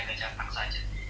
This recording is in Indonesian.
tapi hanya menjaga jatah saja